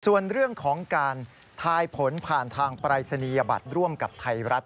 ส่วนเรื่องของการทายผลผ่านทางปรายศนียบัตรร่วมกับไทยรัฐ